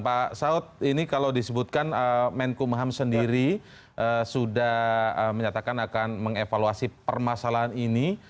pak saud ini kalau disebutkan menkumham sendiri sudah menyatakan akan mengevaluasi permasalahan ini